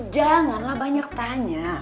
janganlah banyak tanya